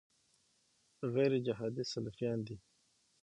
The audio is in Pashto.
غیرجهادي سلفیان دي.